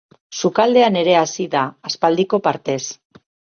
Sukaldean ere hasi da, aspaldiko partez.